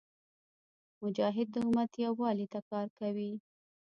مجاهد د امت یووالي ته کار کوي.